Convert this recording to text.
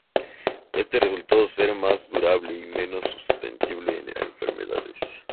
Este resultó ser más durable y menos susceptible a enfermarse.